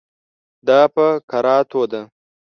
دا په کراتو ده.